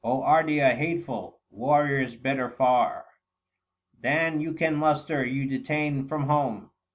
Ardea, hateful ; warriors better far Than you can muster you detain from home.